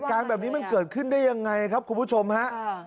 การแบบนี้มันเกิดขึ้นได้ยังไงครับคุณผู้ชมฮะ